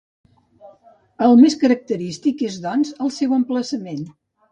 El més característic és doncs el seu emplaçament.